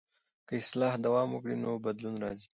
که اصلاح دوام وکړي نو بدلون راځي.